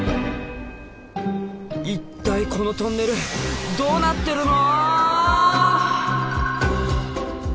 一体このトンネルどうなってるの！